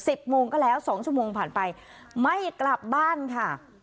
โมงก็แล้วสองชั่วโมงผ่านไปไม่กลับบ้านค่ะ